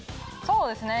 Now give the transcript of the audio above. そうですね。